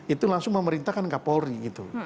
itu langsung memerintahkan kapolri gitu